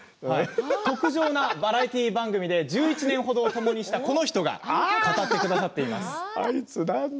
特上なバラエティー番組で１１年程をともにしたあの人が語ってくれています。